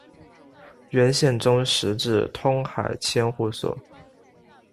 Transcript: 元宪宗时置通海千户所。